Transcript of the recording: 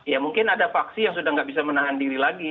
ya mungkin ada faksi yang sudah tidak bisa menahan diri lagi